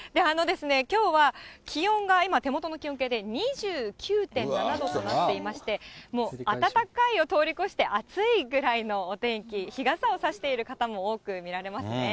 きょうは気温が今、手元の気温計で２９．７度となっていまして、もう暖かいを通り越して暑いぐらいのお天気、日傘を差している方も多く見られますね。